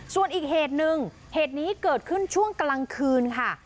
ส่วนอีกเหตุหนึ่งเหตุนี้เกิดขึ้นช่วงกลางคืนค่ะ